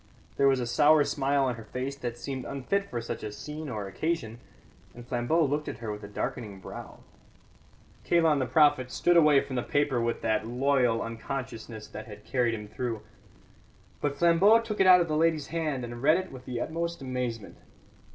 There was a sour smile on her face that seemed unfit for such a scene or occasion, and Flambeau looked at her with a darkening brow. Kalon the prophet stood away from the paper with that loyal unconsciousness that had carried him through. But Flambeau took it out of the lady's hand, and read it with the utmost amazement.